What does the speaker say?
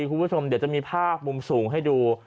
คุณผู้ชมเดี๋ยวจะมีภาพมุมสูงให้ดู